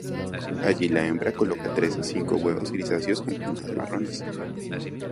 Allí la hembra coloca tres a cinco huevos grisáceos con pintas marrones.